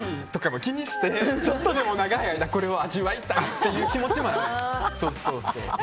カロリーとかも気にしてちょっとでも長い間これを味わいたいっていう気持ちもあんねん。